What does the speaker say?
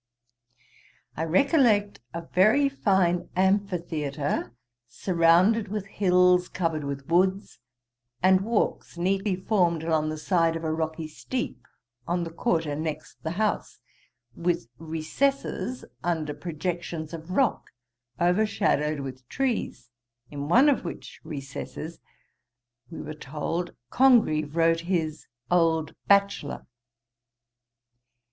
I recollect a very fine amphitheatre, surrounded with hills covered with woods, and walks neatly formed along the side of a rocky steep, on the quarter next the house, with recesses under projections of rock, overshadowed with trees; in one of which recesses, we were told, Congreve wrote his Old Bachelor.